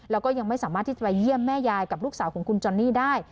แล้วก็ยังไม่สามารถที่จะไปเยี่ยมแม่ยายกับลูกสาวของคุณจอนนี่ได้